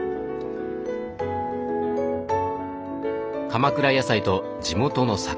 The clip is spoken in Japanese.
鎌倉野菜と地元の魚。